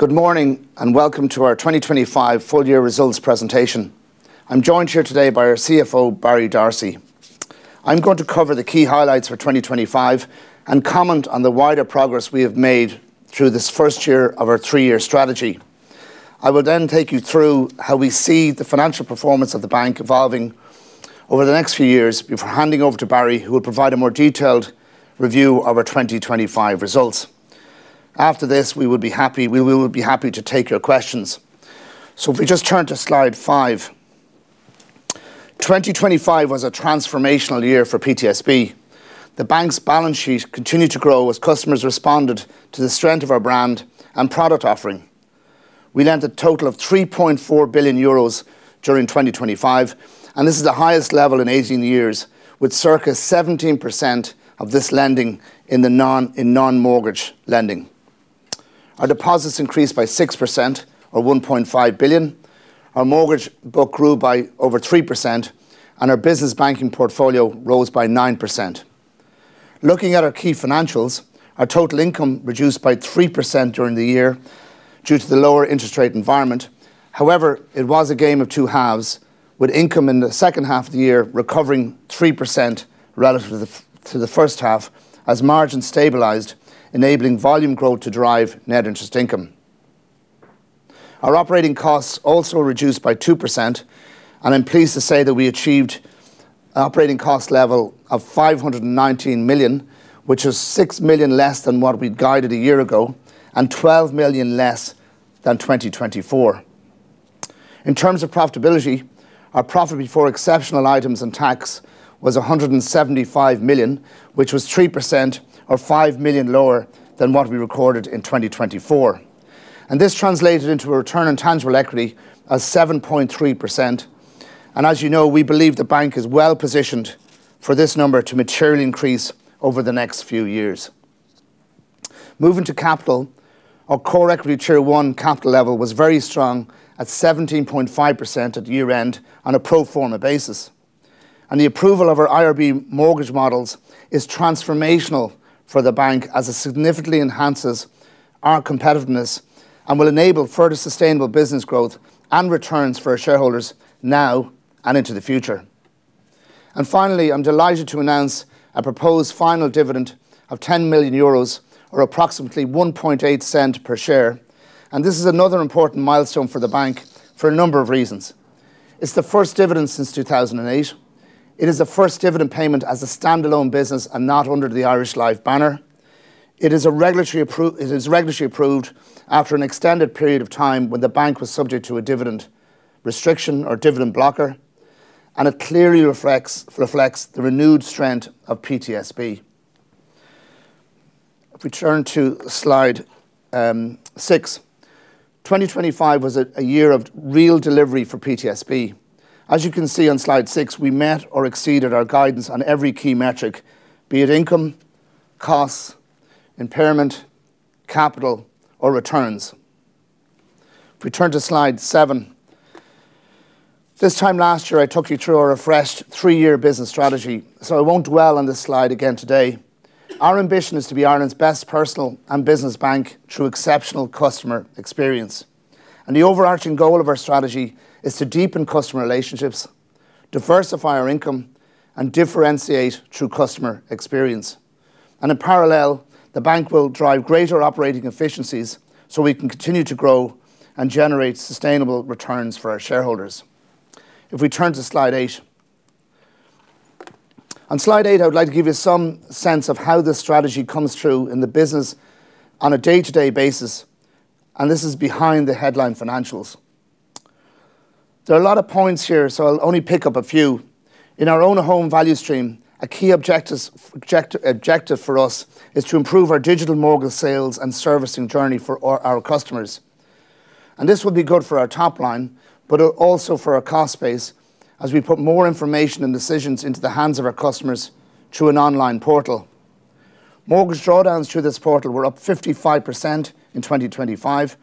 Good morning, and welcome to our 2025 full year results presentation. I'm joined here today by our CFO, Barry D'Arcy. I'm going to cover the key highlights for 2025 and comment on the wider progress we have made through this first year of our three-year strategy. I will then take you through how we see the financial performance of the bank evolving over the next few years before handing over to Barry, who will provide a more detailed review of our 2025 results. After this, we will be happy to take your questions. If we just turn to slide five. 2025 was a transformational year for PTSB. The bank's balance sheet continued to grow as customers responded to the strength of our brand and product offering. We lent a total of 3.4 billion euros during 2025, and this is the highest level in 18 years, with circa 17% of this lending in non-mortgage lending. Our Deposits increased by 6% or 1.5 billion. Our Mortgage book grew by over 3%, and our Business Banking portfolio rose by 9%. Looking at our key financials, our total income reduced by 3% during the year due to the lower interest rate environment. It was a game of two halves, with income in the second half of the year recovering 3% relative to the first half as margins stabilized, enabling volume growth to drive net interest income. Our operating costs also reduced by 2%, and I'm pleased to say that we achieved operating cost level of 519 million, which is 6 million less than what we'd guided a year ago and 12 million less than 2024. In terms of profitability, our profit before exceptional items and tax was 175 million, which was 3% or 5 million lower than what we recorded in 2024. This translated into a Return on Tangible Equity of 7.3%. As you know, we believe the bank is well-positioned for this number to materially increase over the next few years. Moving to capital. Our core equity Tier 1 capital level was very strong at 17.5% at year-end on a pro forma basis. The approval of our IRB mortgage models is transformational for the bank as it significantly enhances our competitiveness and will enable further sustainable business growth and returns for our shareholders now and into the future. Finally, I'm delighted to announce a proposed final dividend of 10 million euros or approximately 0.018 per share. This is another important milestone for the bank for a number of reasons. It's the first dividend since 2008. It is the first dividend payment as a standalone business and not under the Irish Life banner. It is regulatory approved after an extended period of time when the bank was subject to a dividend restriction or dividend blocker. It clearly reflects the renewed strength of PTSB. If we turn to slide six. 2025 was a year of real delivery for PTSB. As you can see on slide six, we met or exceeded our guidance on every key metric, be it income, costs, impairment, capital, or returns. If we turn to slide seven. This time last year, I took you through our refreshed three-year business strategy, so I won't dwell on this slide again today. Our ambition is to be Ireland's best personal and business bank through exceptional customer experience. The overarching goal of our strategy is to deepen customer relationships, diversify our income, and differentiate through customer experience. In parallel, the bank will drive greater operating efficiencies so we can continue to grow and generate sustainable returns for our shareholders. If we turn to slide eight. On slide eight, I would like to give you some sense of how this strategy comes through in the business on a day-to-day basis. This is behind the headline financials. There are a lot of points here. I'll only pick up a few. In our own home value stream, a key objective for us is to improve our digital mortgage sales and servicing journey for our customers. This will be good for our top line, but also for our cost base as we put more information and decisions into the hands of our customers through an online portal. Mortgage drawdowns through this portal were up 55% in 2025.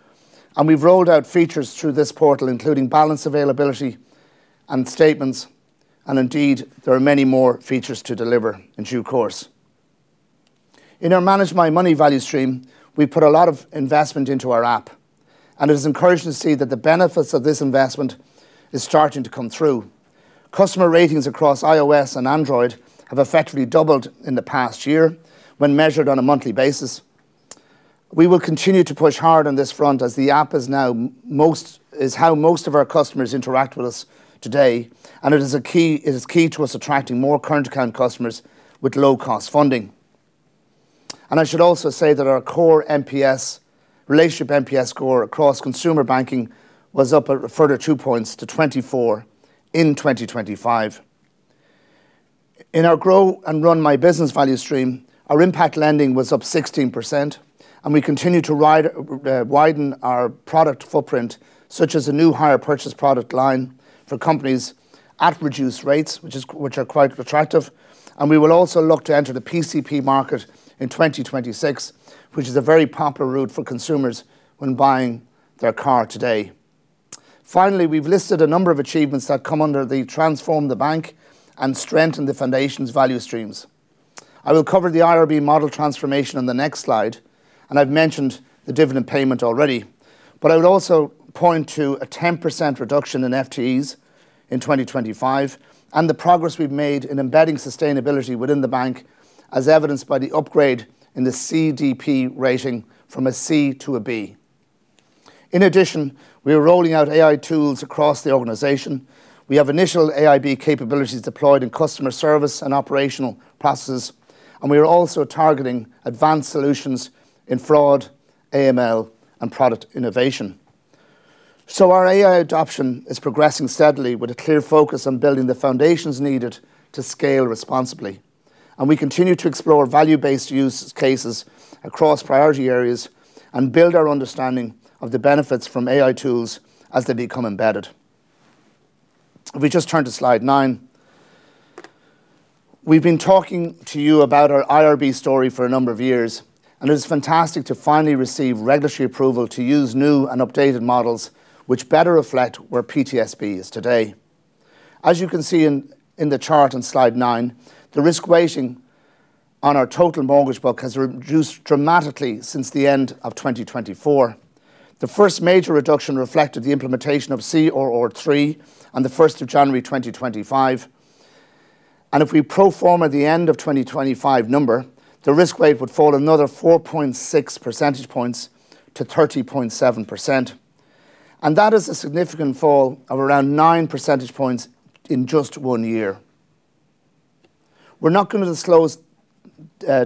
We've rolled out features through this portal, including balance availability and statements, and indeed, there are many more features to deliver in due course. In our Manage My Money value stream, we put a lot of investment into our app, and it is encouraging to see that the benefit of this investment is starting to come through. Customer ratings across iOS and Android have effectively doubled in the past year when measured on a monthly basis. We will continue to push hard on this front as the app is now how most of our customers interact with us today and it is key to us attracting more current account customers with low-cost funding. I should also say that our core MPS, relationship MPS score across consumer banking was up a further two points to 24 in 2025. In our Grow and Run My Business value stream, our Impact Lending was up 16%, we continue to widen our product footprint, such as a new Hire Purchase product line for companies at reduced rates, which are quite attractive. We will also look to enter the PCP market in 2026, which is a very popular route for consumers when buying their car today. Finally, we've listed a number of achievements that come under the Transform the Bank and Strengthen the Foundation's value streams. I will cover the IRB model transformation in the next slide, I've mentioned the dividend payment already. I would also point to a 10% reduction in FTEs in 2025, the progress we've made in embedding sustainability within the bank, as evidenced by the upgrade in the CDP rating from a C to a B. In addition, we are rolling out AI tools across the organization. We have initial AI capabilities deployed in customer service and operational processes, and we are also targeting advanced solutions in fraud, AML, and product innovation. Our AI adoption is progressing steadily with a clear focus on building the foundations needed to scale responsibly, and we continue to explore value-based use cases across priority areas and build our understanding of the benefits from AI tools as they become embedded. If we just turn to slide nine. We've been talking to you about our IRB story for a number of years, and it is fantastic to finally receive regulatory approval to use new and updated models which better reflect where PTSB is today. As you can see in the chart on slide nine, the risk weighting on our total mortgage book has reduced dramatically since the end of 2024. The first major reduction reflected the implementation of CRR3 on the 1st of January 2025. If we pro forma the end of 2025 number, the risk weight would fall another 4.6 percentage points to 30.7%. That is a significant fall of around 9 percentage points in just one year. We're not going to disclose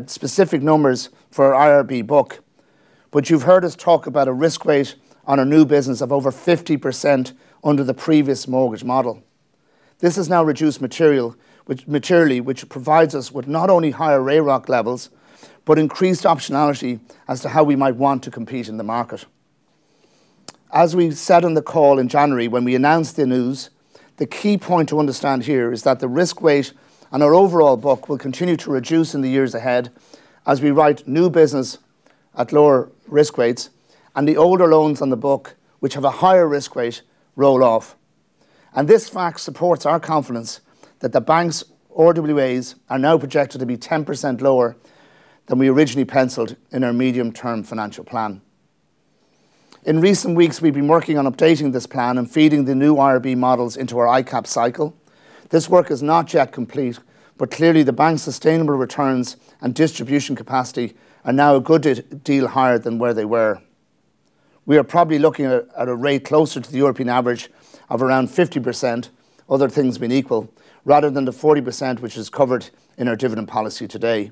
specific numbers for our IRB book, but you've heard us talk about a risk weight on our new business of over 50% under the previous mortgage model. This has now reduced materially, which provides us with not only higher RAROC levels, but increased optionality as to how we might want to compete in the market. As we said on the call in January when we announced the news, the key point to understand here is that the risk weight on our overall book will continue to reduce in the years ahead as we write new business at lower risk weights and the older loans on the book, which have a higher risk weight, roll off. This fact supports our confidence that the bank's RWAs are now projected to be 10% lower than we originally penciled in our medium-term financial plan. In recent weeks, we've been working on updating this plan and feeding the new IRB models into our ICAAP cycle. This work is not yet complete, clearly the bank's sustainable returns and distribution capacity are now a good deal higher than where they were. We are probably looking at a rate closer to the European average of around 50%, other things being equal, rather than the 40% which is covered in our dividend policy today.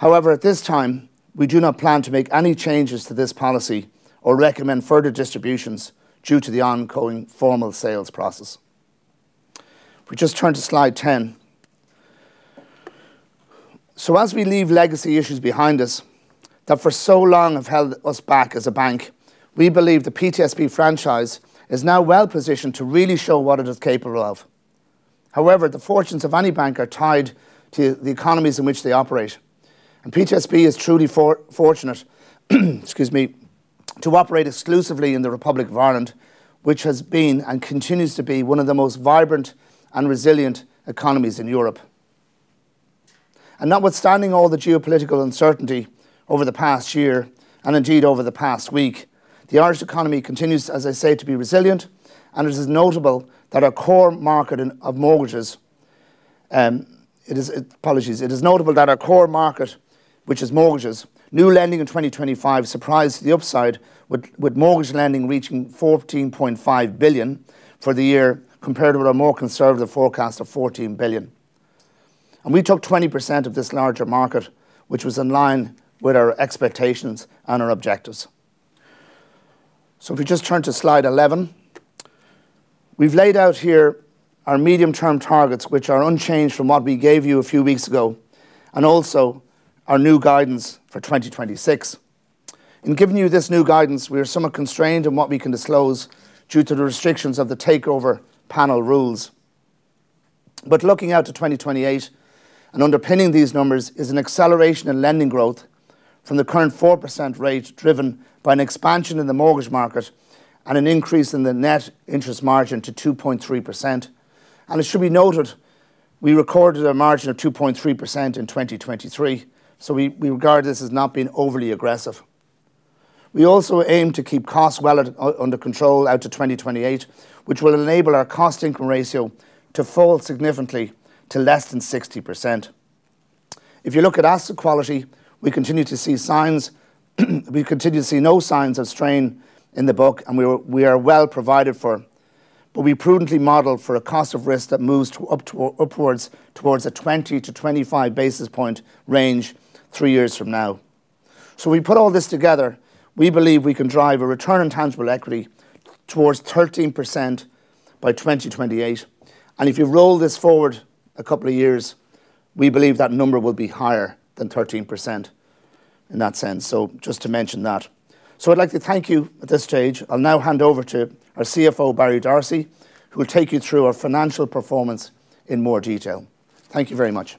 At this time, we do not plan to make any changes to this policy or recommend further distributions due to the ongoing formal sales process. We just turn to slide 10. As we leave legacy issues behind us that for so long have held us back as a bank, we believe the PTSB franchise is now well-positioned to really show what it is capable of. However, the fortunes of any bank are tied to the economies in which they operate, PTSB is truly fortunate, excuse me, to operate exclusively in the Republic of Ireland, which has been and continues to be one of the most vibrant and resilient economies in Europe. Notwithstanding all the geopolitical uncertainty over the past year, and indeed over the past week, the Irish economy continues, as I say, to be resilient, and it is notable that our core market, which is mortgages, new lending in 2025 surprised to the upside with mortgage lending reaching 14.5 billion for the year compared with our more conservative forecast of 14 billion. We took 20% of this larger market, which was in line with our expectations and our objectives. If we just turn to slide 11. We've laid out here our medium-term targets, which are unchanged from what we gave you a few weeks ago, and also our new guidance for 2026. In giving you this new guidance, we are somewhat constrained in what we can disclose due to the restrictions of the Irish Takeover Rules. Looking out to 2028 and underpinning these numbers is an acceleration in lending growth from the current 4% rate, driven by an expansion in the mortgage market and an increase in the net interest margin to 2.3%. It should be noted, we recorded a margin of 2.3% in 2023, so we regard this as not being overly aggressive. We also aim to keep costs well under control out to 2028, which will enable our cost-income ratio to fall significantly to less than 60%. If you look at asset quality, we continue to see signs, we continue to see no signs of strain in the book, and we are well provided for. We prudently model for a cost of risk that moves upwards towards a 20 to 25 basis point range three years from now. We put all this together, we believe we can drive a Return on Tangible Equity towards 13% by 2028. If you roll this forward a couple of years, we believe that number will be higher than 13% in that sense. Just to mention that. I'd like to thank you at this stage. I'll now hand over to our CFO, Barry D'Arcy, who will take you through our financial performance in more detail. Thank you very much.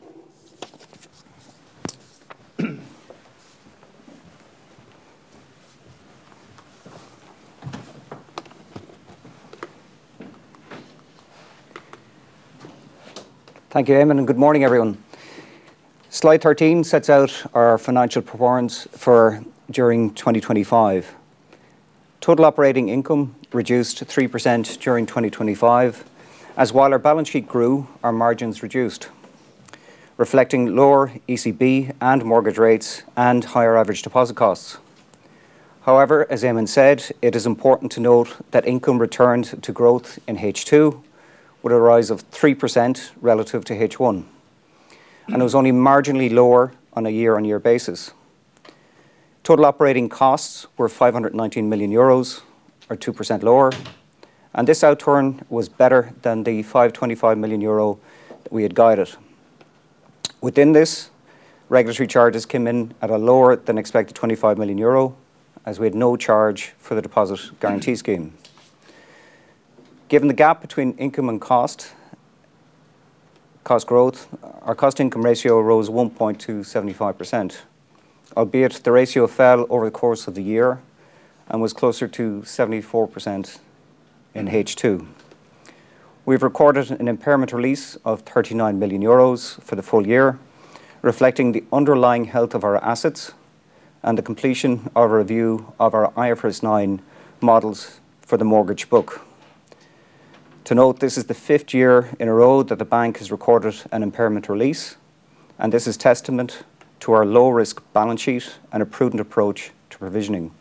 Thank you, Eamonn. Good morning, everyone. Slide 13 sets out our financial performance for during 2025. Total operating income reduced to 3% during 2025, as while our balance sheet grew, our margins reduced, reflecting lower ECB and mortgage rates and higher average deposit costs. However, as Eamonn said, it is important to note that income returned to growth in H2 with a rise of 3% relative to H1 and was only marginally lower on a year-on-year basis. Total operating costs were 519 million euros or 2% lower, and this outturn was better than the 525 million euro we had guided. Within this, regulatory charges came in at a lower-than-expected 25 million euro, as we had no charge for the Deposit Guarantee Scheme. Given the gap between income and cost growth, our cost-income ratio rose 1 point to 75%, albeit the ratio fell over the course of the year and was closer to 74% in H2. We've recorded an impairment release of 39 million euros for the full year, reflecting the underlying health of our assets and the completion of a review of our IFRS 9 models for the mortgage book. To note, this is the fifth year in a row that the bank has recorded an impairment release. This is testament to our low-risk balance sheet and a prudent approach to provisioning.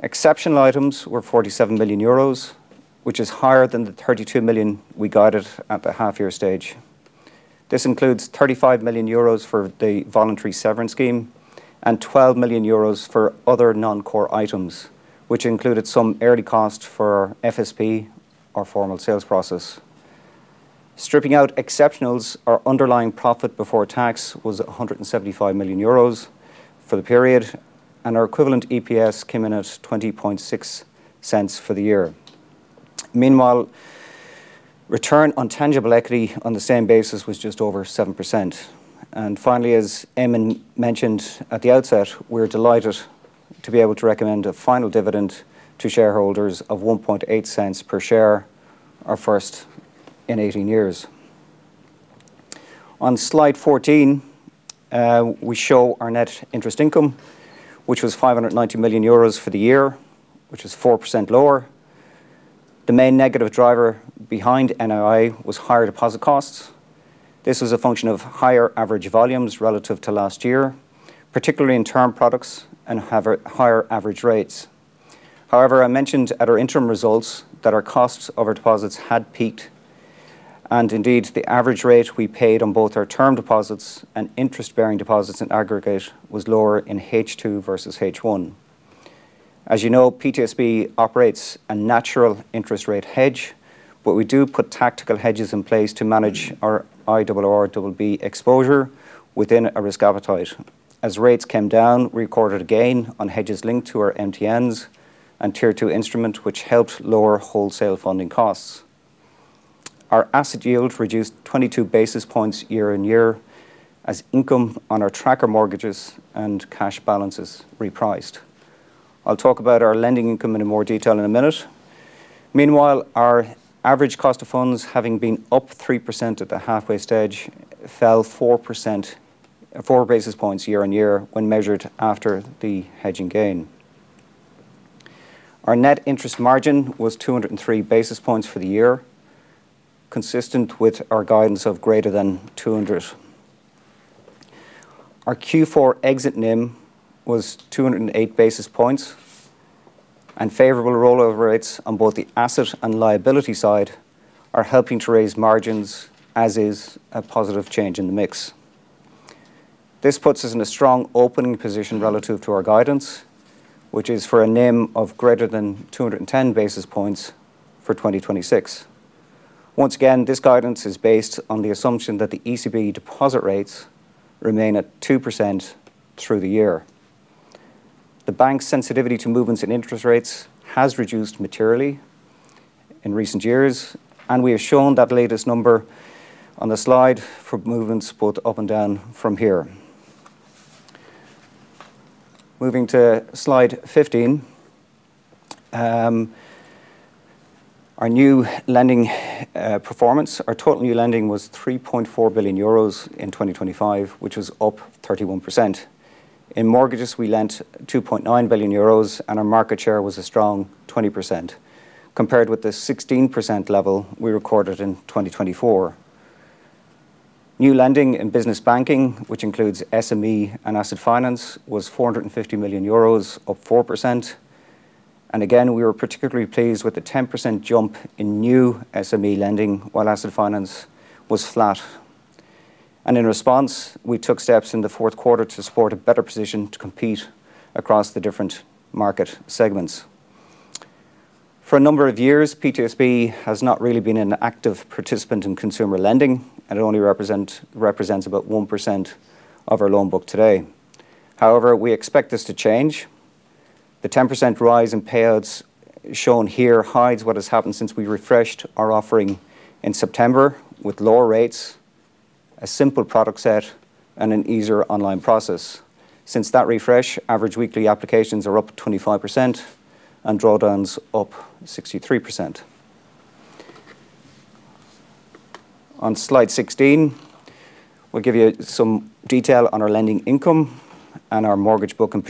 Exceptional items were 47 million euros, which is higher than the 32 million we guided at the half-year stage. This includes 35 million euros for the voluntary severance scheme and 12 million euros for other non-core items, which included some early costs for FSP, our formal sales process. Stripping out exceptionals, our underlying profit before tax was 175 million euros for the period. Our equivalent EPS came in at 0.206 for the year. Meanwhile, Return on Tangible Equity on the same basis was just over 7%. Finally, as Eamonn mentioned at the outset, we're delighted to be able to recommend a final dividend to shareholders of 0.018 per share, our first in 18 years. On slide 14, we show our net interest income, which was 590 million euros for the year, which was 4% lower. The main negative driver behind NII was higher deposit costs. This was a function of higher average volumes relative to last year, particularly in term products and have a higher average rate. However, I mentioned at our interim results that our costs over deposits had peaked, and indeed, the average rate we paid on both our term deposits and interest-bearing deposits in aggregate was lower in H2 versus H1. As you know, PTSB operates a natural interest rate hedge, but we do put tactical hedges in place to manage our IRRBB exposure within a risk appetite. As rates came down, we recorded a gain on hedges linked to our MTNs and Tier 2 instrument which helped lower wholesale funding costs. Our asset yield reduced 22 basis points year-on-year as income on our tracker mortgages and cash balances repriced. I'll talk about our lending income in more detail in a minute. Meanwhile, our average cost of funds, having been up 3% at the halfway stage, fell 4 basis points year-on-year when measured after the hedging gain. Our net interest margin was 203 basis points for the year, consistent with our guidance of greater than 200. Our Q4 exit NIM was 208 basis points. Favorable rollover rates on both the asset and liability side are helping to raise margins, as is a positive change in the mix. This puts us in a strong opening position relative to our guidance, which is for a NIM of greater than 210 basis points for 2026. Once again, this guidance is based on the assumption that the ECB deposit rates remain at 2% through the year. The bank's sensitivity to movements in interest rates has reduced materially in recent years. We have shown that latest number on the slide for movements both up and down from here. Moving to slide 15. Our new lending performance. Our total new lending was 3.4 billion euros in 2025, which was up 31%. In mortgages, we lent 2.9 billion euros. Our market share was a strong 20%, compared with the 16% level we recorded in 2024. New lending in Business Banking, which includes SME and asset finance, was 450 million euros, up 4%. Again, we were particularly pleased with the 10% jump in new SME lending while asset finance was flat. In response, we took steps in the fourth quarter to support a better position to compete across the different market segments. For a number of years, PTSB has not really been an active participant in consumer lending and it only represents about 1% of our loan book today. However, we expect this to change. The 10% rise in payouts shown here hides what has happened since we refreshed our offering in September with lower rates, a simple product set, and an easier online process. Since that refresh, average weekly applications are up 25% and drawdowns up 63%. On slide 16, we'll give you some detail on our lending income and our mortgage book in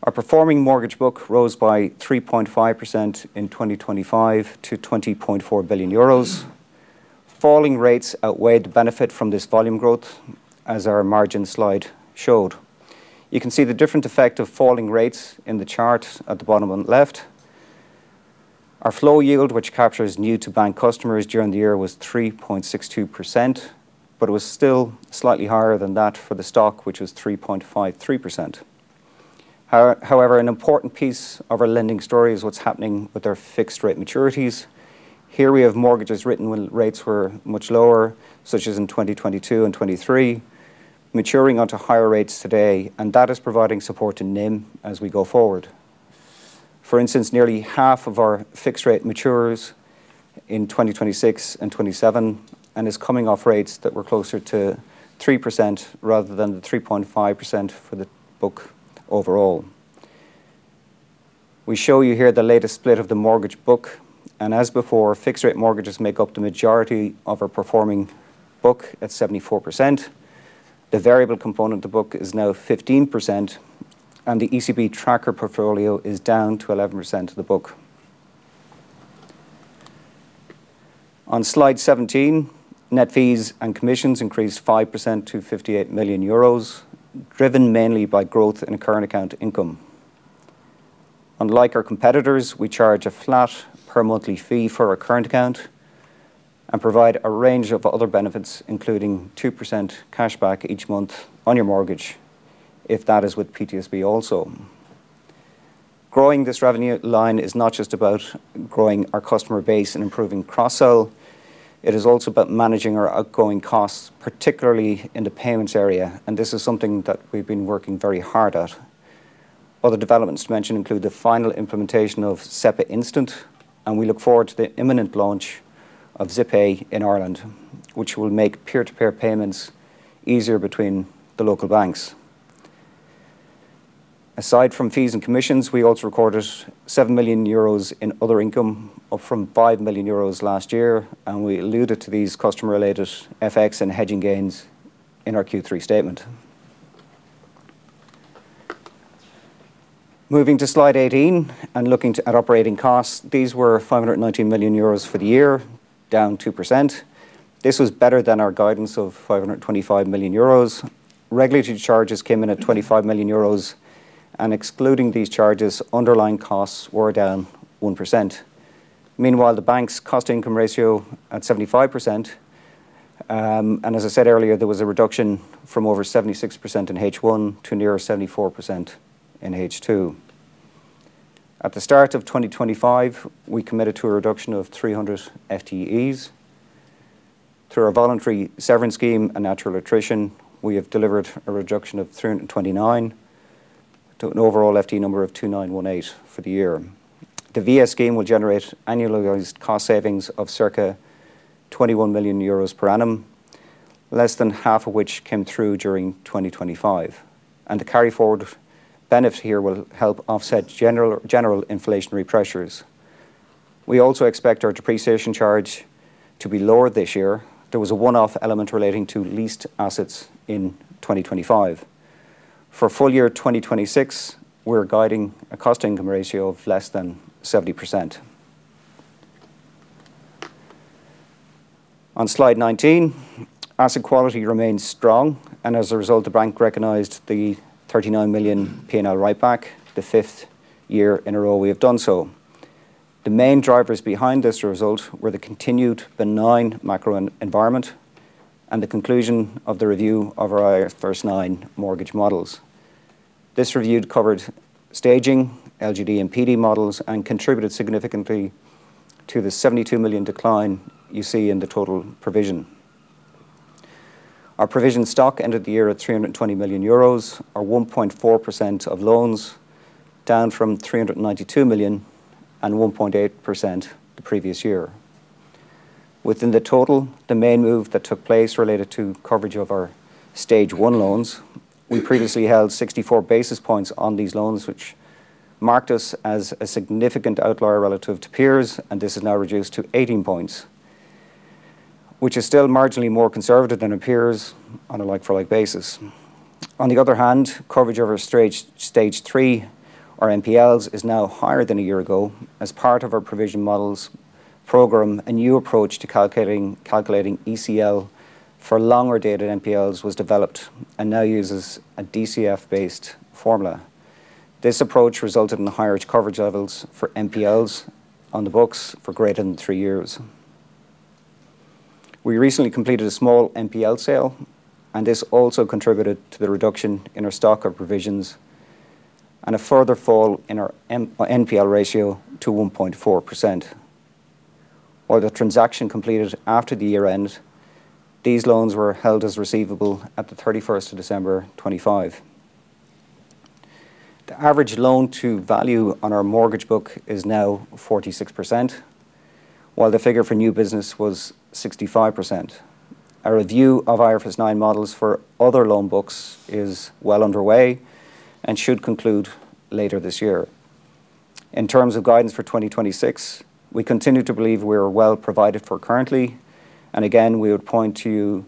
particular. Our performing mortgage book rose by 3.5% in 2025 to 20.4 billion euros. Falling rates outweighed the benefit from this volume growth, as our margin slide showed. You can see the different effect of falling rates in the chart at the bottom on the left. Our flow yield, which captures new to bank customers during the year, was 3.62%, but it was still slightly higher than that for the stock, which was 3.53%. However, an important piece of our lending story is what's happening with our fixed rate maturities. Here we have mortgages written when rates were much lower, such as in 2022 and 2023, maturing onto higher rates today, and that is providing support to NIM as we go forward. For instance, nearly half of our fixed rate matures in 2026 and 2027 and is coming off rates that were closer to 3% rather than the 3.5% for the book overall. We show you here the latest split of the mortgage book, and as before, fixed rate mortgages make up the majority of our performing book at 74%. The variable component of the book is now 15%, and the ECB tracker portfolio is down to 11% of the book. On slide 17, net fees and commissions increased 5% to 58 million euros, driven mainly by growth in current account income. Unlike our competitors, we charge a flat per monthly fee for our current account and provide a range of other benefits, including 2% cashback each month on your mortgage if that is with PTSB also. Growing this revenue line is not just about growing our customer base and improving cross-sell, it is also about managing our outgoing costs, particularly in the payments area, and this is something that we've been working very hard at. Other developments to mention include the final implementation of SEPA Instant, we look forward to the imminent launch of Zippay in Ireland, which will make peer-to-peer payments easier between the local banks. Aside from fees and commissions, we also recorded 7 million euros in other income, up from 5 million euros last year, we alluded to these customer-related FX and hedging gains in our Q3 statement. Moving to slide 18 and looking at operating costs, these were 519 million euros for the year, down 2%. This was better than our guidance of 525 million euros. Regulatory charges came in at 25 million euros, and excluding these charges, underlying costs were down 1%. Meanwhile, the bank's cost-income ratio at 75%, and as I said earlier, there was a reduction from over 76% in H1 to near 74% in H2. At the start of 2025, we committed to a reduction of 300 FTEs. Through our voluntary severance scheme and natural attrition, we have delivered a reduction of 329 to an overall FTE number of 2,918 for the year. The VS scheme will generate annualized cost savings of circa 21 million euros per annum, less than half of which came through during 2025. The carry forward benefit here will help offset general inflationary pressures. We also expect our depreciation charge to be lower this year. There was a one-off element relating to leased assets in 2025. For full year 2026, we're guiding a cost-income ratio of less than 70%. On slide 19, asset quality remains strong, and as a result, the bank recognized a 39 million P&L writeback, the fifth year in a row we have done so. The main drivers behind this result were the continued benign macro environment and the conclusion of the review of our IFRS 9 mortgage models. This review covered staging, LGD and PD models and contributed significantly to the 72 million decline you see in the total provision. Our provision stock ended the year at 320 million euros or 1.4% of loans, down from 392 million and 1.8% the previous year. Within the total, the main move that took place related to coverage of our Stage 1 Loans. We previously held 64 basis points on these loans, which marked us as a significant outlier relative to peers. This is now reduced to 18 points, which is still marginally more conservative than our peers on a like-for-like basis. Coverage over Stage 3 or NPLs is now higher than a year ago. As part of our provision models program, a new approach to calculating ECL for longer dated NPLs was developed and now uses a DCF-based formula. This approach resulted in higher coverage levels for NPLs on the books for greater than three years. We recently completed a small NPL sale, and this also contributed to the reduction in our stock of provisions and a further fall in our NPL ratio to 1.4%. The transaction completed after the year-end, these loans were held as receivable on the 31st of December 2025. The average loan to value on our mortgage book is now 46%, while the figure for new business was 65%. Our review of IFRS 9 models for other loan books is well underway and should conclude later this year. In terms of guidance for 2026, we continue to believe we are well provided for currently, and again, we would point to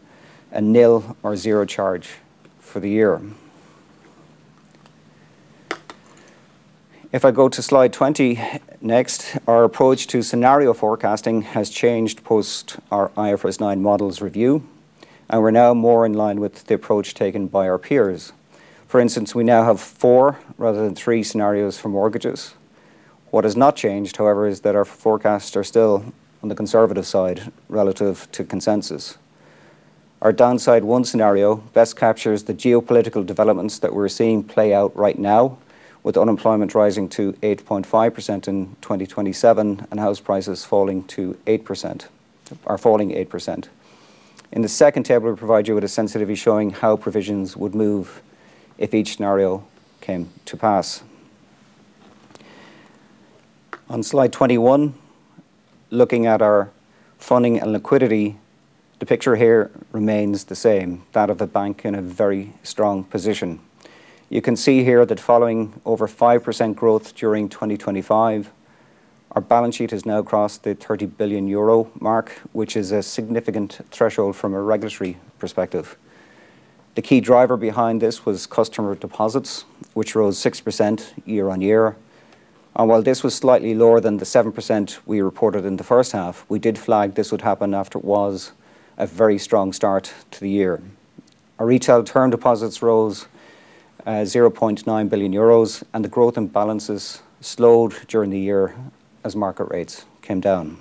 a nil or zero charge for the year. If I go to slide 20 next, our approach to scenario forecasting has changed post our IFRS 9 models review, and we're now more in line with the approach taken by our peers. For instance, we now have four rather than three scenarios for mortgages. What has not changed, however, is that our forecasts are still on the conservative side relative to consensus. Our downside one scenario best captures the geopolitical developments that we're seeing play out right now, with unemployment rising to 8.5% in 2027 and house prices falling to 8% or falling 8%. In the second table, we provide you with a sensitivity showing how provisions would move if each scenario came to pass. On slide 21, looking at our funding and liquidity, the picture here remains the same, that of the bank in a very strong position. You can see here that following over 5% growth during 2025, our balance sheet has now crossed the 30 billion euro mark, which is a significant threshold from a regulatory perspective. The key driver behind this was customer deposits, which rose 6% year-on-year. While this was slightly lower than the 7%, we reported in the first half, we did flag this would happen after it was a very strong start to the year. Our retail term deposits rose 0.9 billion euros, the growth in balances slowed during the year as market rates came down.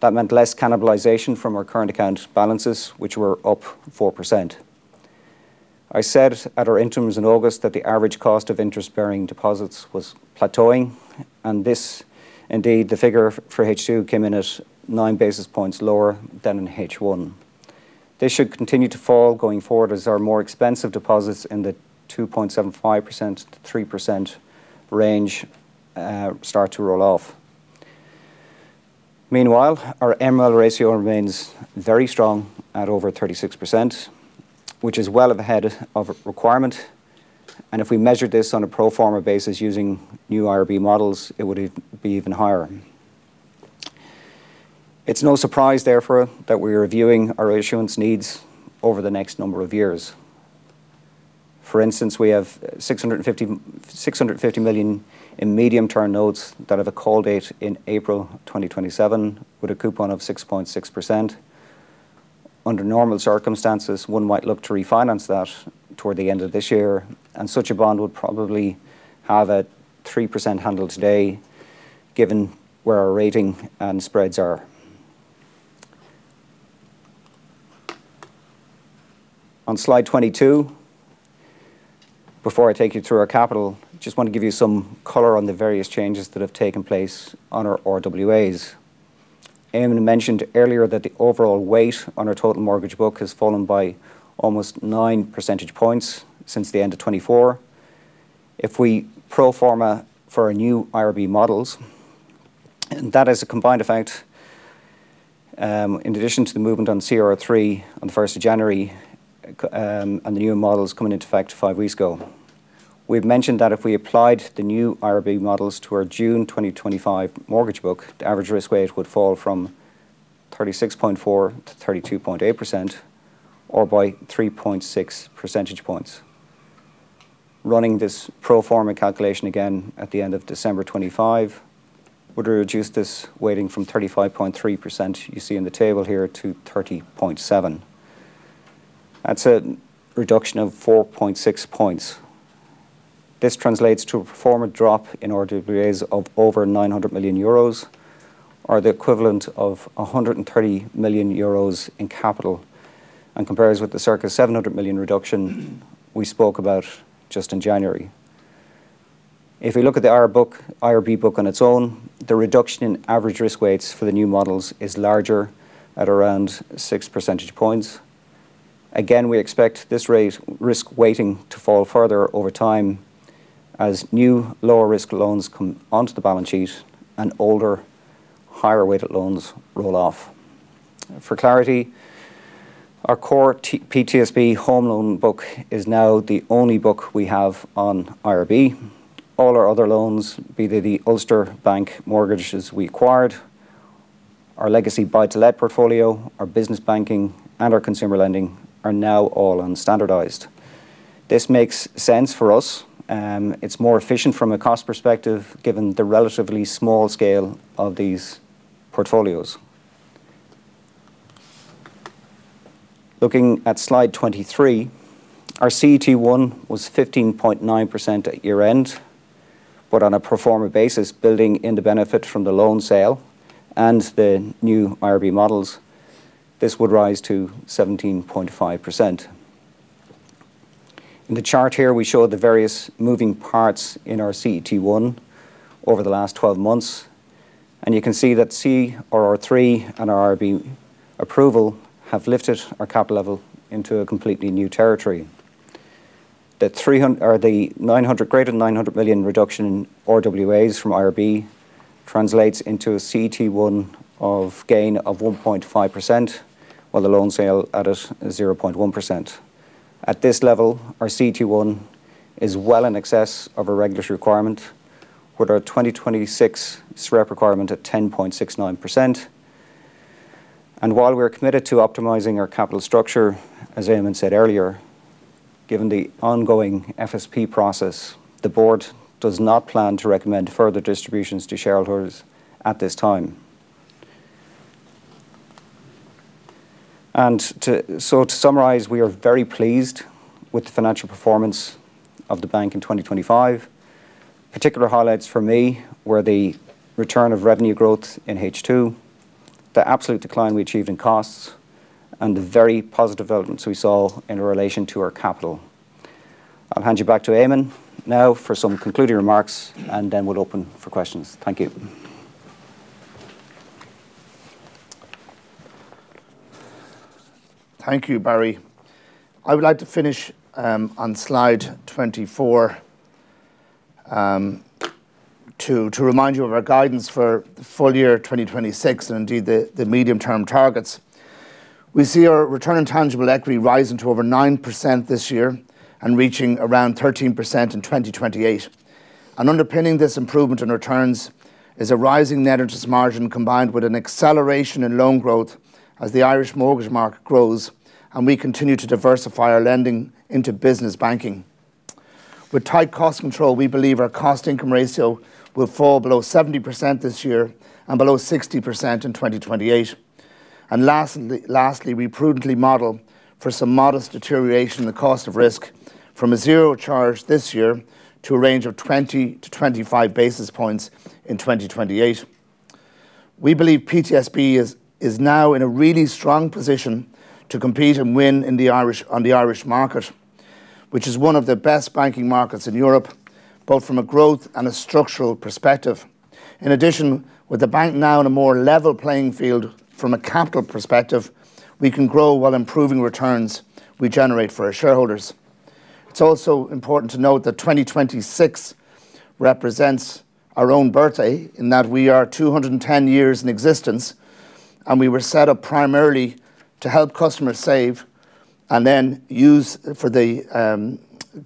That meant less cannibalization from our current account balances, which were up 4%. I said at our interims in August that the average cost of interest-bearing deposits was plateauing, and this indeed, the figure for H2 came in at 9 basis points lower than in H1. This should continue to fall going forward as our more expensive deposits in the 2.75%-3% range start to roll off. Meanwhile, our MREL ratio remains very strong at over 36%, which is well up ahead of requirement. If we measure this on a pro forma basis using new IRB models, it would be even higher. It's no surprise therefore that we're reviewing our issuance needs over the next number of years. For instance, we have 650 million in medium-term notes that have a call date in April 2027 with a coupon of 6.6%. Under normal circumstances, one might look to refinance that toward the end of this year. Such a bond would probably have a 3% handle today given where our rating and spreads are. On slide 22, before I take you through our capital, just want to give you some color on the various changes that have taken place on our RWAs. Eamonn mentioned earlier that the overall weight on our total mortgage book has fallen by almost 9 percentage points since the end of 2024. If we pro forma for our new IRB models, that is a combined effect, in addition to the movement on CRR3 on the 1st of January, and the new models coming into effect 5 weeks ago. We've mentioned that if we applied the new IRB models to our June 2025 mortgage book, the average risk weight would fall from 36.4%-32.8% or by 3.6 percentage points. Running this pro forma calculation again at the end of December 2025, would reduce this weighting from 35.3% you see in the table here to 30.7. That's a reduction of 4.6 points. This translates to a pro forma drop in our RWAs of over 900 million euros or the equivalent of 130 million euros in capital and compares with the circa 700 million reduction we spoke about just in January. If we look at the IRB book on its own, the reduction in average risk weights for the new models is larger at around 6 percentage points. Again, we expect this risk weighting to fall further over time as new lower risk loans come onto the balance sheet and older higher weighted loans roll off. For clarity, our core PTSB home loan book is now the only book we have on IRB. All our other loans, be they the Ulster Bank mortgages we acquired, our legacy buy to let portfolio, our Business Banking, and our Consumer Lending are now all unstandardized. This makes sense for us. It's more efficient from a cost perspective given the relatively small scale of these portfolios. Looking at slide 23, our CET1 was 15.9% at year-end. On a pro forma basis, building in the benefit from the loan sale and the new IRB models, this would rise to 17.5%. In the chart here, we show the various moving parts in our CET1 over the last 12 months, and you can see that CRR3 and our IRB approval have lifted our capital level into a completely new territory. The greater than 900 million reduction in RWAs from IRB translates into a CET1 of gain of 1.5%, while the loan sale at it is 0.1%. At this level, our CET1 is well in excess of a regulatory requirement with our 2026 SREP requirement at 10.69%. While we're committed to optimizing our capital structure, as Eamonn said earlier, given the ongoing FSP process, the board does not plan to recommend further distributions to shareholders at this time. To summarize, we are very pleased with the financial performance of the bank in 2025. Particular highlights for me were the return of revenue growth in H2, the absolute decline we achieved in costs, and the very positive developments we saw in relation to our capital. I'll hand you back to Eamonn now for some concluding remarks, and then we'll open for questions. Thank you. Thank you, Barry. I would like to finish on slide 24 to remind you of our guidance for full year 2026 and indeed the medium-term targets. We see our Return on Tangible Equity rising to over 9% this year and reaching around 13% in 2028. Underpinning this improvement in returns is a rising net interest margin combined with an acceleration in loan growth as the Irish mortgage market grows and we continue to diversify our lending into business banking. With tight cost control, we believe our cost-income ratio will fall below 70% this year and below 60% in 2028. Lastly, we prudently model for some modest deterioration in the cost of risk from a zero charge this year to a range of 20-25 basis points in 2028. We believe PTSB is now in a really strong position to compete and win in the Irish market, which is one of the best banking markets in Europe, both from a growth and a structural perspective. In addition, with the bank now in a more level playing field from a capital perspective, we can grow while improving returns we generate for our shareholders. It's also important to note that 2026 represents our own birthday in that we are 210 years in existence. We were set up primarily to help customers save and then use for the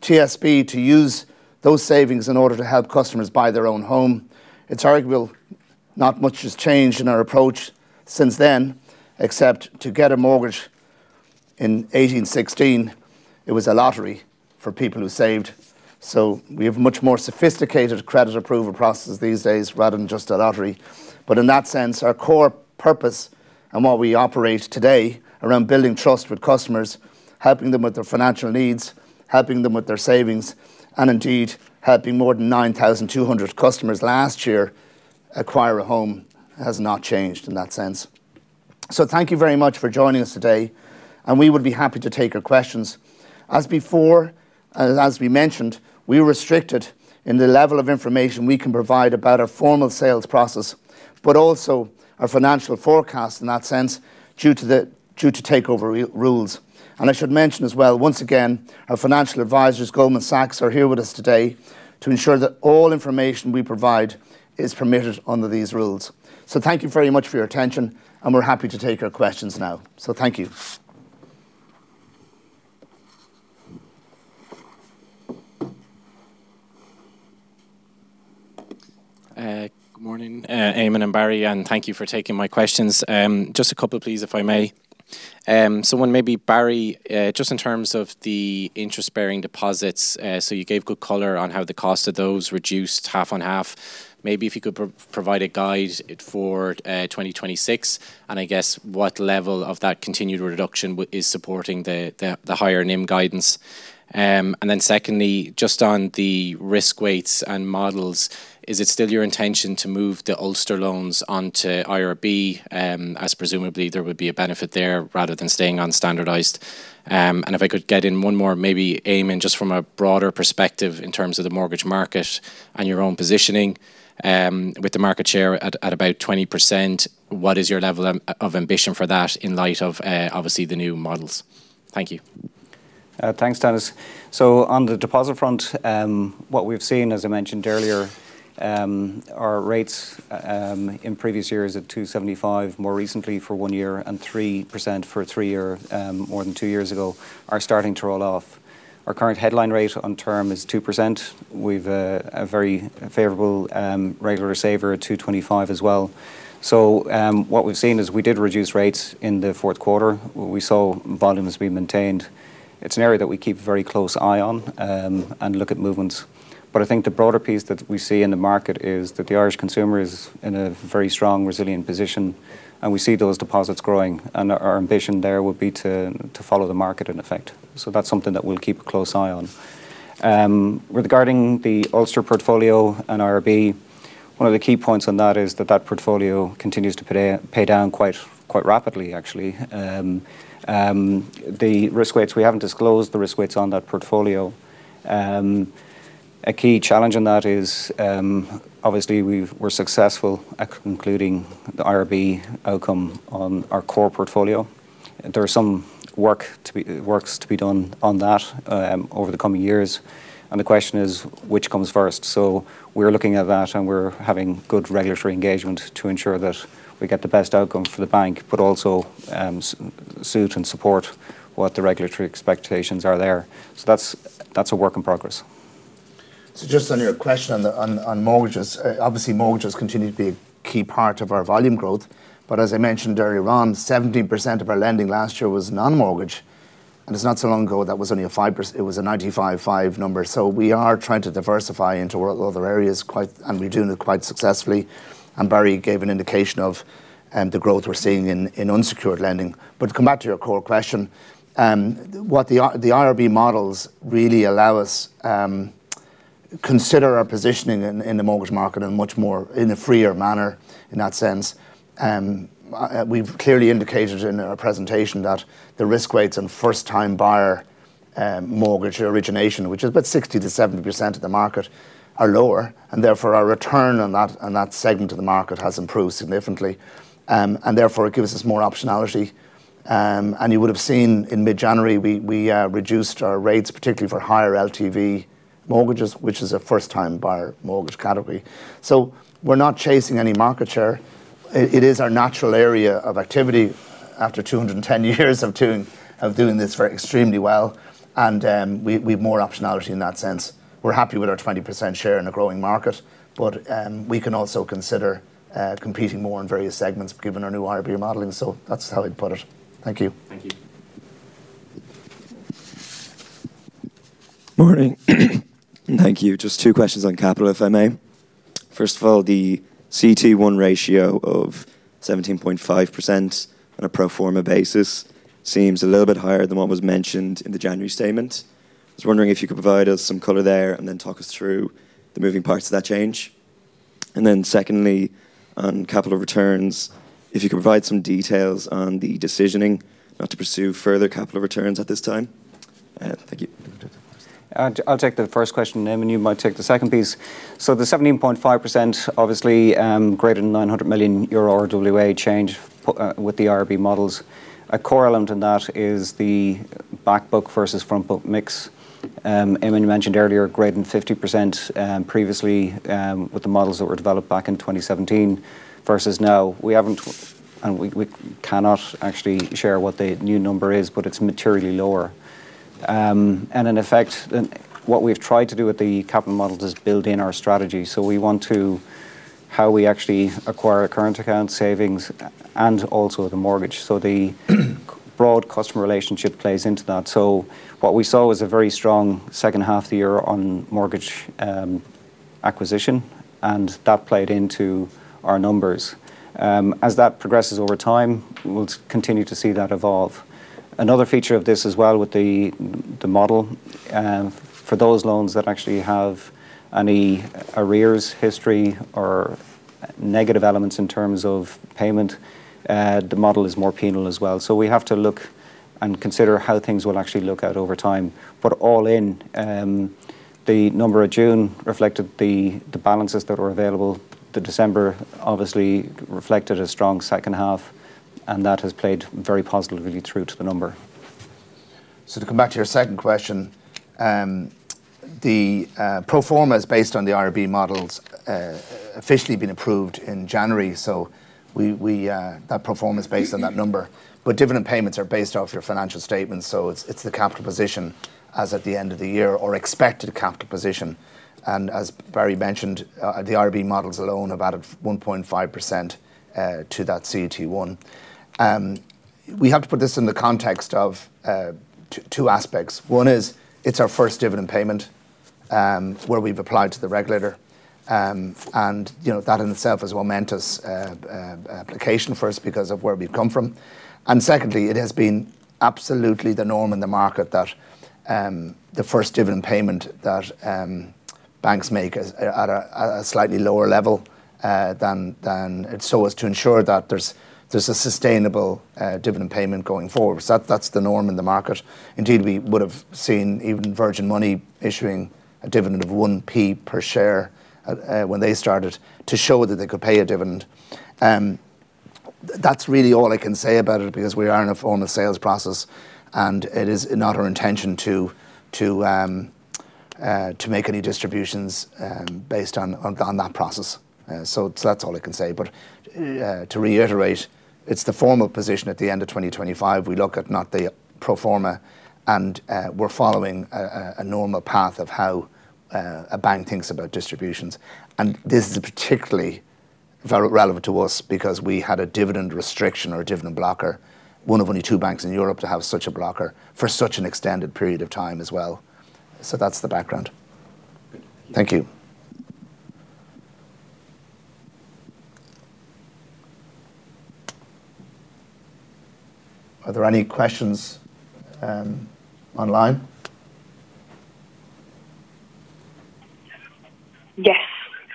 TSB to use those savings in order to help customers buy their own home. It's arguable not much has changed in our approach since then, except to get a mortgage in 1816, it was a lottery for people who saved. We have much more sophisticated credit approval processes these days rather than just a lottery. In that sense, our core purpose and what we operate today around building trust with customers, helping them with their financial needs, helping them with their savings, and indeed helping more than 9,200 customers last year acquire a home has not changed in that sense. Thank you very much for joining us today, and we would be happy to take your questions. As before, as we mentioned, we're restricted in the level of information we can provide about our formal sales process, but also our financial forecast in that sense due to Takeover Rules. I should mention as well, once again, our financial advisors, Goldman Sachs, are here with us today to ensure that all information we provide is permitted under these rules. Thank you very much for your attention, and we're happy to take your questions now. Thank you. Good morning, Eamonn and Barry, thank you for taking my questions. Just a couple please, if I may. One maybe Barry, just in terms of the interest-bearing deposits. You gave good color on how the cost of those reduced half on half. Maybe if you could provide a guide for 2026, and I guess what level of that continued reduction is supporting the higher NIM guidance. Secondly, just on the risk weights and models, is it still your intention to move the Ulster loans onto IRB, as presumably there would be a benefit there rather than staying on standardized? If I could get in one more maybe, Eamonn, just from a broader perspective in terms of the mortgage market and your own positioning, with the market share at about 20%, what is your level of ambition for that in light of obviously the new models? Thank you. Thanks, Denis. On the deposit front, what we've seen, as I mentioned earlier, our rates in previous years at 2.75%, more recently for one year and 3% for three year, more than two years ago, are starting to roll off. Our current headline rate on term is 2%. We've a very favorable regular saver at 2.25% as well. What we've seen is we did reduce rates in the fourth quarter. We saw volumes being maintained. It's an area that we keep a very close eye on and look at movements. I think the broader piece that we see in the market is that the Irish consumer is in a very strong, resilient position, and we see those deposits growing. Our ambition there would be to follow the market in effect. That's something that we'll keep a close eye on. Regarding the Ulster portfolio and IRB. One of the key points on that is that that portfolio continues to pay down quite rapidly actually. The risk weights, we haven't disclosed the risk weights on that portfolio. A key challenge in that is, obviously we're successful at concluding the IRB outcome on our core portfolio. There are some works to be done on that over the coming years, and the question is which comes first. We're looking at that, and we're having good regulatory engagement to ensure that we get the best outcome for the bank, but also, suit and support what the regulatory expectations are there. That's, that's a work in progress. Just on your question on mortgages. Obviously, mortgages continue to be a key part of our volume growth, but as I mentioned earlier on, 70% of our lending last year was non-mortgage, and it's not so long ago that was only a 95 five number. We are trying to diversify into other areas quite and we're doing it quite successfully. Barry gave an indication of the growth we're seeing in unsecured lending. To come back to your core question, what the IRB models really allow us to consider our positioning in the mortgage market in a much more, in a freer manner in that sense. We've clearly indicated in our presentation that the risk weights on first-time buyer, mortgage origination, which is about 60%-70% of the market, are lower. Therefore, our return on that segment of the market has improved significantly. Therefore, it gives us more optionality. You would have seen in mid-January, we reduced our rates, particularly for higher LTV mortgages, which is a first-time buyer mortgage category. We're not chasing any market share. It is our natural area of activity after 210 years of doing this very extremely well. We've more optionality in that sense. We're happy with our 20% share in a growing market. We can also consider competing more in various segments given our new IRB modeling. That's how I'd put it. Thank you. Thank you. Morning. Thank you. Just two questions on capital, if I may. First of all, the CET1 ratio of 17.5% on a pro forma basis seems a little bit higher than what was mentioned in the January statement. I was wondering if you could provide us some color there and then talk us through the moving parts of that change. Secondly, on capital returns, if you could provide some details on the decisioning not to pursue further capital returns at this time. Thank you. I'll take the first question, Eamonn, you might take the second piece. The 17.5% obviously, greater than 900 million euro RWA change with the IRB models. A correlate in that is the back book versus front book mix. Eamonn, you mentioned earlier, greater than 50% previously, with the models that were developed back in 2017 versus now. We haven't and we cannot actually share what the new number is, but it's materially lower. In effect, what we've tried to do with the capital model just build in our strategy. We want to how we actually acquire a current account savings and also the mortgage. The broad customer relationship plays into that. What we saw was a very strong second half of the year on mortgage, acquisition, and that played into our numbers. As that progresses over time, we'll continue to see that evolve. Another feature of this as well with the model, for those loans that actually have any arrears history or negative elements in terms of payment, the model is more penal as well. We have to look and consider how things will actually look out over time. All in, the number of June reflected the balances that were available. The December obviously reflected a strong second half, and that has played very positively through to the number. To come back to your second question, the pro forma is based on the IRB models officially been approved in January. We that pro forma is based on that number, but dividend payments are based off your financial statements, it's the capital position as at the end of the year or expected capital position. As Barry mentioned, the IRB models alone have added 1.5% to that CET1. We have to put this in the context of two aspects. One is it's our first dividend payment where we've applied to the regulator, and, you know, that in itself is a momentous application for us because of where we've come from. Secondly, it has been absolutely the norm in the market that the first dividend payment that banks make is at a slightly lower level than so as to ensure that there's a sustainable dividend payment going forward. That's the norm in the market. Indeed, we would have seen even Virgin Money issuing a dividend of 1p per share when they started to show that they could pay a dividend. That's really all I can say about it because we are in a form of sales process, and it is not our intention to make any distributions based on that process. That's all I can say. To reiterate, it's the formal position at the end of 2025. We look at not the pro forma, we're following a normal path of how a bank thinks about distributions. This is particularly relevant to us because we had a dividend restriction or a dividend blocker, one of only two banks in Europe to have such a blocker for such an extended period of time as well. That's the background. Thank you. Are there any questions online? Yes.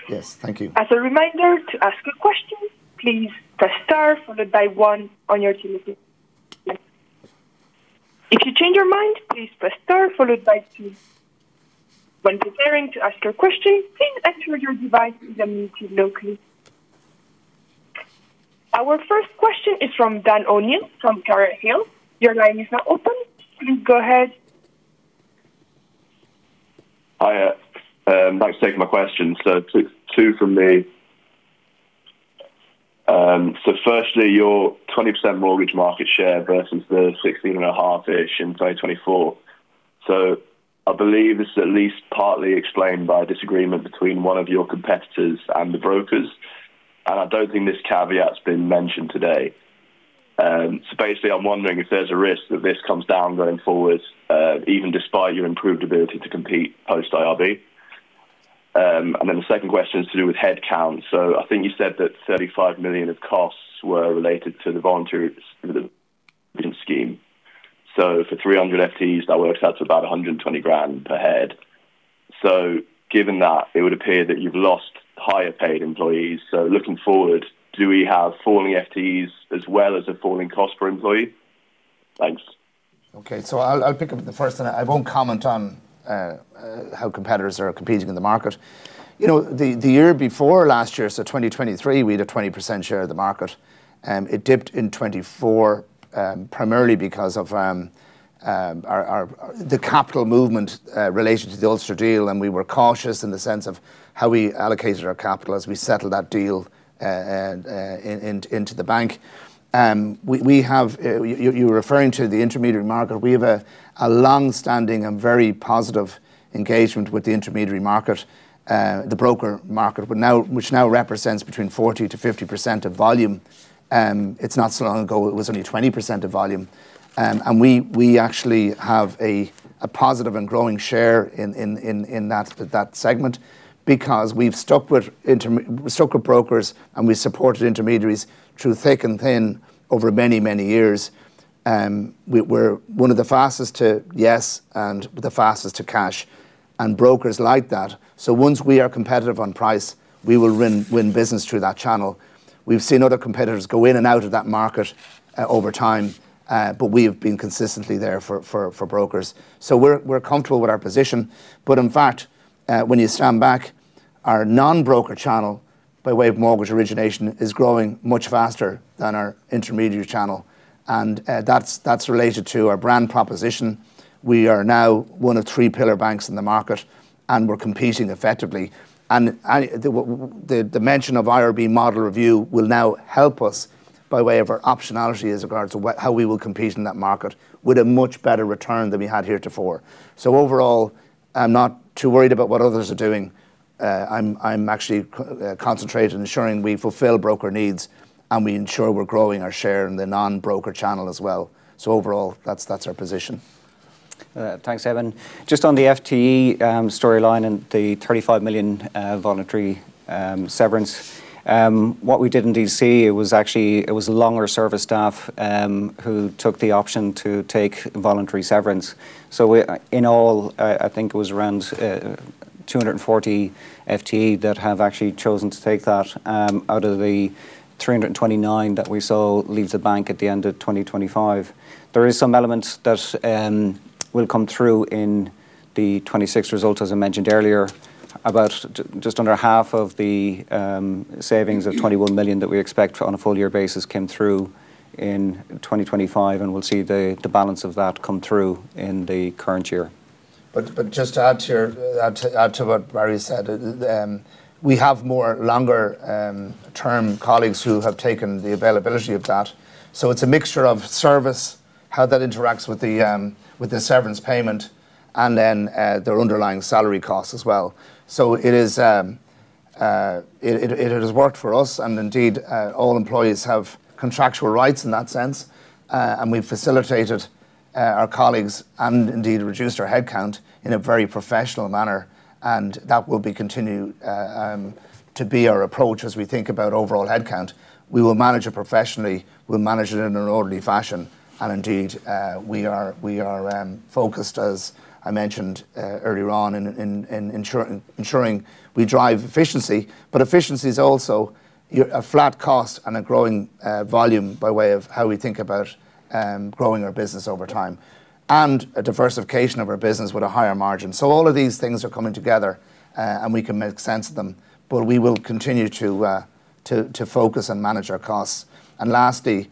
Yes. Thank you. As a reminder, to ask a question, please press star followed by one on your telephone. If you change your mind, please press star followed by two. When preparing to ask your question, please ensure your device is on mute locally. Our first question is from [Dan O'Neill from Carret Hill]. Your line is now open. Please go ahead. Hiya. Thanks for taking my question. Two, two from me. Firstly, your 20% mortgage market share versus the 16.5-ish in 2024. I believe this is at least partly explained by a disagreement between one of your competitors and the brokers, and I don't think this caveat's been mentioned today. Basically, I'm wondering if there's a risk that this comes down going forward, even despite your improved ability to compete post-IRB. The second question is to do with headcount. I think you said that 35 million of costs were related to the volunteer scheme. For 300 FTEs, that works out to about 120,000 per head. Given that, it would appear that you've lost higher paid employees. Looking forward, do we have falling FTEs as well as a falling cost per employee? Thanks. Okay. I'll pick up the first one. I won't comment on how competitors are competing in the market. You know, the year before last year, so 2023, we had a 20% share of the market. It dipped in 2024, primarily because of our capital movement related to the Ulster deal, and we were cautious in the sense of how we allocated our capital as we settled that deal into the bank. We have, you're referring to the intermediary market. We have a long-standing and very positive engagement with the intermediary market, the broker market, which now represents between 40%-50% of volume. It's not so long ago it was only 20% of volume. We, we actually have a positive and growing share in that segment because we've stuck with brokers, and we supported intermediaries through thick and thin over many, many years. We're one of the fastest to yes and the fastest to cash, and brokers like that. Once we are competitive on price, we will win business through that channel. We've seen other competitors go in and out of that market over time, but we have been consistently there for brokers. We're, we're comfortable with our position. In fact, when you stand back, our non-broker channel, by way of mortgage origination, is growing much faster than our intermediary channel, and that's related to our brand proposition. We are now one of three pillar banks in the market. We're competing effectively. The dimension of IRB model review will now help us by way of our optionality as regards to how we will compete in that market with a much better return than we had heretofore. Overall, I'm not too worried about what others are doing. I'm actually concentrated on ensuring we fulfill broker needs, and we ensure we're growing our share in the non-broker channel as well. Overall, that's our position. Thanks, Eamonn. Just on the FTE storyline and the 35 million voluntary severance, what we did indeed see was actually it was longer service staff who took the option to take voluntary severance. In all, I think it was around 240 FTE that have actually chosen to take that out of the 329 that we saw leave the bank at the end of 2025. There is some element that will come through in the 2026 results, as I mentioned earlier. About just under half of the savings of 21 million that we expect on a full year basis came through in 2025, and we'll see the balance of that come through in the current year. Just to add to your, add to what Barry said, we have more longer-term colleagues who have taken the availability of that. It's a mixture of service, how that interacts with the severance payment, and then their underlying salary costs as well. It has worked for us and indeed all employees have contractual rights in that sense. We've facilitated our colleagues and indeed reduced our head count in a very professional manner, and that will be continued to be our approach as we think about overall head count. We will manage it professionally. We'll manage it in an orderly fashion. Indeed, we are focused, as I mentioned earlier on in ensuring we drive efficiency. Efficiency is also a flat cost and a growing volume by way of how we think about growing our business over time and a diversification of our business with a higher margin. All of these things are coming together, and we can make sense of them, but we will continue to focus and manage our costs. Lastly,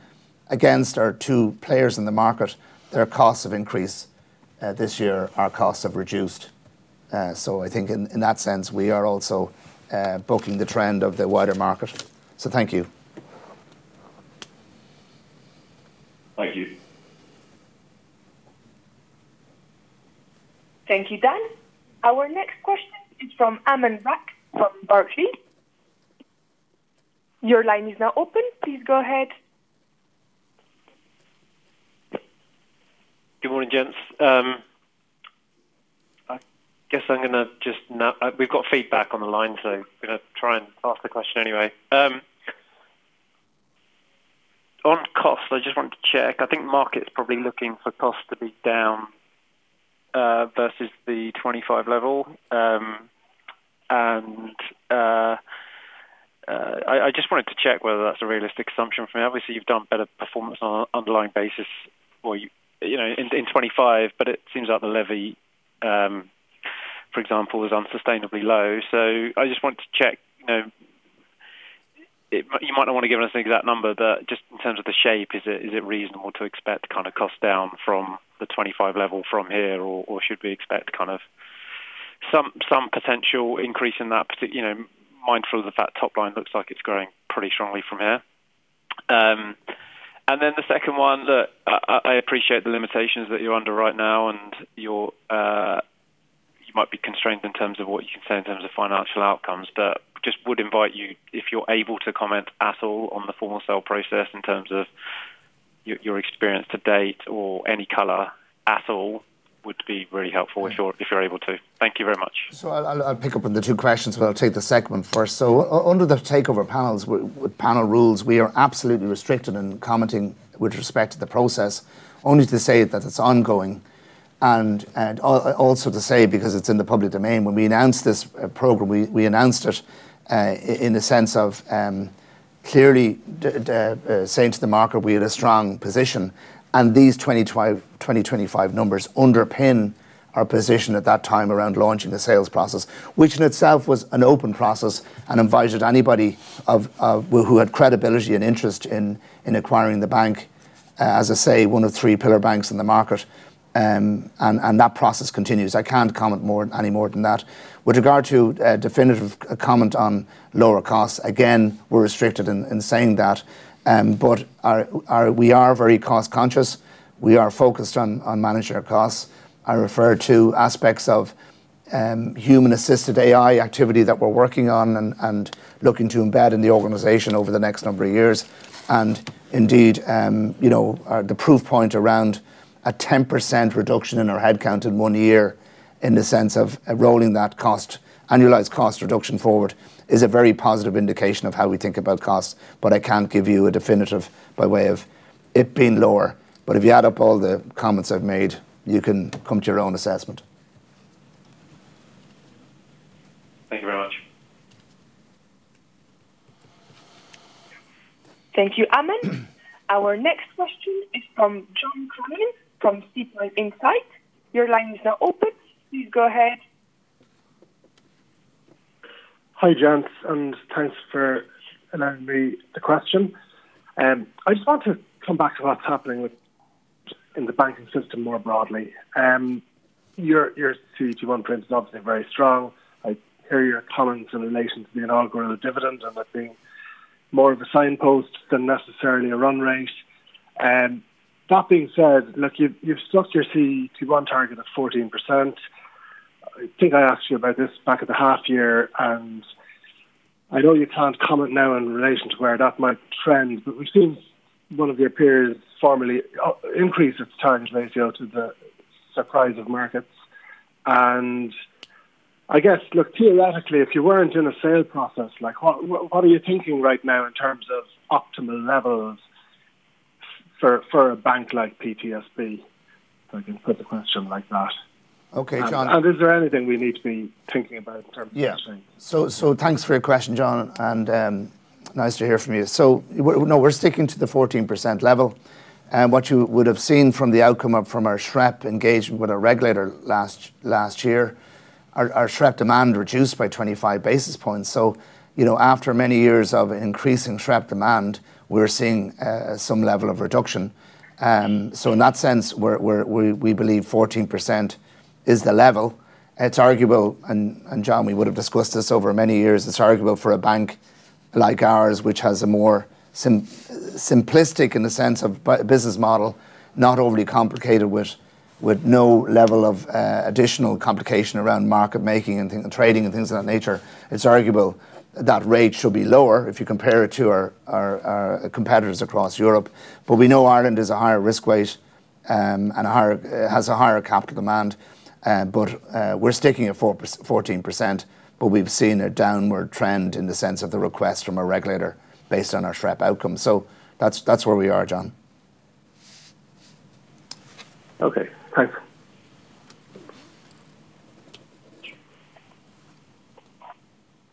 against our two players in the market, their costs have increased this year, our costs have reduced. I think in that sense, we are also bucking the trend of the wider market. Thank you. Thank you. Thank you, Dan. Our next question is from Aman Rakkar from Barclays. Your line is now open. Please go ahead. Good morning, gents. I guess I'm gonna just now we've got feedback on the line, so I'm gonna try and ask the question anyway. On costs, I just want to check. I think market's probably looking for costs to be down versus the 2025 level. I just wanted to check whether that's a realistic assumption for me. Obviously, you've done better performance on a underlying basis or you know, in 2025, but it seems like the levy, for example, is unsustainably low. I just wanted to check, you know, you might not wanna give us an exact number, but just in terms of the shape, is it reasonable to expect kind of cost down from the 25 level from here or should we expect kind of some potential increase in that, you know, mindful of the fact top line looks like it's growing pretty strongly from here. The second one that I appreciate the limitations that you're under right now and you might be constrained in terms of what you can say in terms of financial outcomes, but just would invite you, if you're able to comment at all on the Formal Sale Process in terms of your experience to date or any color at all would be very helpful if you're able to. Thank you very much. I'll pick up on the two questions, but I'll take the second one first. Under the Irish Takeover Rules, we are absolutely restricted in commenting with respect to the process, only to say that its ongoing and also to say, because it's in the public domain, when we announced this program, we announced it in the sense of clearly saying to the market we had a strong position. These 2025 numbers underpin our position at that time around launching the sales process, which in itself was an open process and invited anybody of who had credibility and interest in acquiring the bank, as I say, one of three pillar banks in the market. That process continues. I can't comment more, any more than that. With regard to a definitive comment on lower costs, again, we're restricted in saying that, but we are very cost conscious. We are focused on managing our costs. I refer to aspects of human assisted AI activity that we're working on and looking to embed in the organization over the next number of years. Indeed, you know, the proof point around a 10% reduction in our head count in one year in the sense of rolling that cost, annualized cost reduction forward, is a very positive indication of how we think about costs, but I can't give you a definitive by way of it being lower. If you add up all the comments I've made, you can come to your own assessment. Thank you very much. Thank you, Aman. Our next question is from John Cronin from SeaPoint Insight. Your line is now open. Please go ahead. Hi, gents, and thanks for allowing me the question. I just want to come back to what's happening in the banking system more broadly. Your CET1 print is obviously very strong. I hear your comments in relation to the inaugural dividend and that being more of a signpost than necessarily a run rate. That being said, look, you've stuck your CET1 target at 14%. I think I asked you about this back at the half year, and I know you can't comment now in relation to where that might trend, but we've seen one of your peers formerly increase its target ratio to the surprise of markets. I guess, look, theoretically, if you weren't in a sales process, like, what are you thinking right now in terms of optimal levels for a bank like PTSB? If I can put the question like that. Okay, John. Is there anything we need to be thinking about in terms of that change? Thanks for your question, John, nice to hear from you. No, we're sticking to the 14% level. What you would have seen from the outcome from our SREP engagement with our regulator last year, our SREP demand reduced by 25 basis points. You know, after many years of increasing SREP demand, we're seeing some level of reduction. In that sense, we believe 14% is the level. It's arguable, and John, we would have discussed this over many years, it's arguable for a bank like ours, which has a more simplistic in the sense of business model, not overly complicated with no level of additional complication around market making and trading and things of that nature. It's arguable that rate should be lower if you compare it to our competitors across Europe. We know Ireland is a higher risk weight and has a higher capital demand. We're sticking at 14%, but we've seen a downward trend in the sense of the request from a regulator based on our SREP outcome. That's, that's where we are, John. Okay, thanks.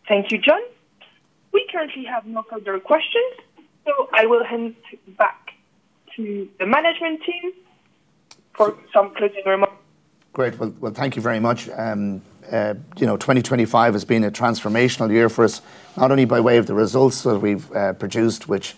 Thank you, John. We currently have no further questions, so I will hand back to the management team for some closing remarks. Great. Well, thank you very much. You know, 2025 has been a transformational year for us, not only by way of the results that we've produced, which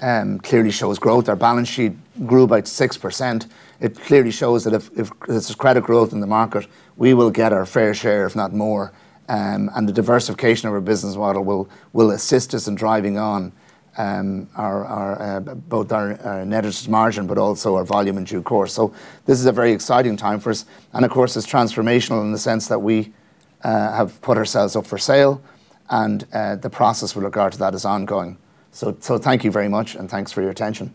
clearly shows growth. Our balance sheet grew by 6%. It clearly shows that if there's credit growth in the market, we will get our fair share, if not more. The diversification of our business model will assist us in driving on both our net interest margin, but also our volume in due course. This is a very exciting time for us. Of course, it's transformational in the sense that we have put ourselves up for sale and the process with regard to that is ongoing. Thank you very much and thanks for your attention.